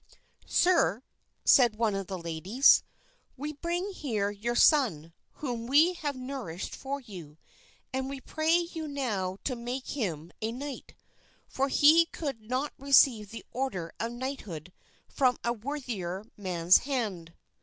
"Sir," said one of the ladies, "we bring here your son, whom we have nourished for you; and we pray you now to make him a knight, for he could not receive the order of knighthood from a worthier man's hand."